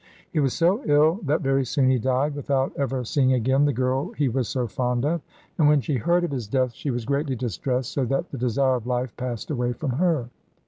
He was so ill that very soon he died, without ever seeing again the girl he was so fond of; and when she heard of his death she was greatly distressed, so that the desire of life passed away from her.